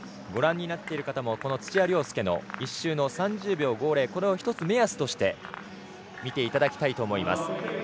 ご覧になっている方も土屋良輔の１周の３０秒５０、これを目安として見ていただきたいと思います。